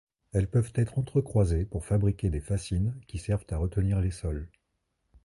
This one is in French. Elles peuvent être entrecroisées pour fabriquer des fascines qui servent à retenir les sols.